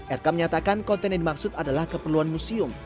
erkam nyatakan konten yang dimaksud adalah keperluan museum